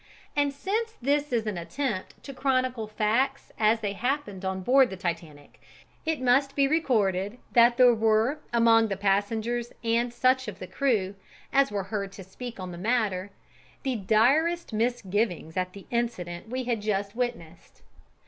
And since this is an attempt to chronicle facts as they happened on board the Titanic, it must be recorded that there were among the passengers and such of the crew as were heard to speak on the matter, the direst misgivings at the incident we had just witnessed.